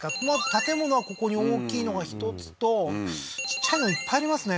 建物はここに大きいのが１つとちっちゃいのいっぱいありますね